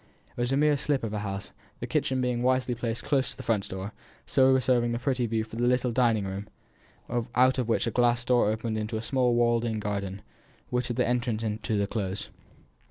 It was a mere slip of a house; the kitchen being wisely placed close to the front door, and so reserving the pretty view for the little dining room, out of which a glass door opened into a small walled in garden, which had again an entrance into the Close.